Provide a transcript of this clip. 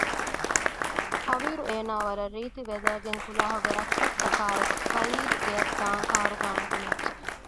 ހަވީރު އޭނާ ވަރަށް ރީތިވެލައިގެން ކުލާހުގެ ރައްޓެއްސަކާއެކު ސަޢީދު ގެއަށް ދާން ކާރުގައި ނުކުމެއްޖެ